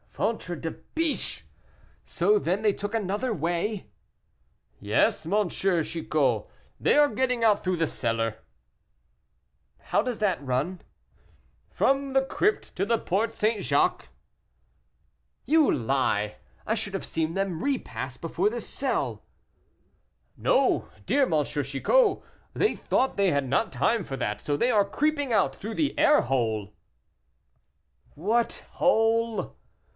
'" "Ventre de biche! so then they took another way?" "Yes, dear M. Chicot, they are getting out through the cellar." "How does that run?" "From the crypt to the Porte St. Jacques." "You lie; I should have seen them repass before this cell." "No, dear M. Chicot; they thought they had not time for that, so they are creeping out through the air hole." "What hole?"